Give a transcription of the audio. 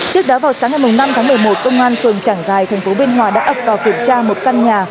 trước đó vào sáng ngày năm tháng một mươi một công an phường trảng giài thành phố biên hòa đã ập vào kiểm tra một căn nhà